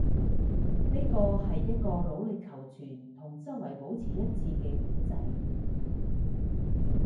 呢個係一個努力求存，同周圍保持一致嘅故仔